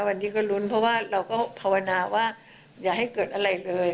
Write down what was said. วันนี้ก็ลุ้นเพราะว่าเราก็ภาวนาว่าอย่าให้เกิดอะไรเลย